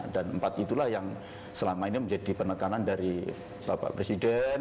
dan empat itulah yang selama ini menjadi penekanan dari tbp presiden